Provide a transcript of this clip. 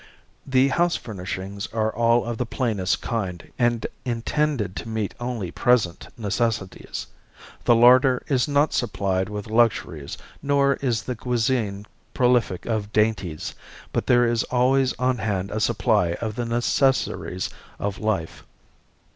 The house furnishings are all of the plainest kind and intended to meet only present necessities. The larder is not supplied with luxuries nor is the cuisine prolific of dainties, but there is always on hand a supply of the necessaries of life.